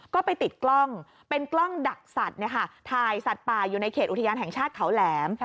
ก็ไปติดกล้องเป็นกล้องดักสัตว์ถ่ายสัตว์ป่าอยู่ในเขตอุทยานแห่งชาติเขาแหลม